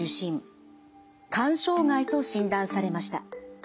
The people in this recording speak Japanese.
肝障害と診断されました。